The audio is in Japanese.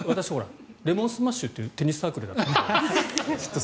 レモンスマッシュというテニスサークルだったので。